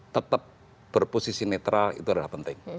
tetap berposisi netral itu adalah penting